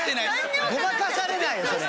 ごまかされないよそれ。